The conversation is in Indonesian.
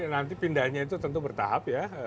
jadi nanti pindahnya itu tentu bertahap ya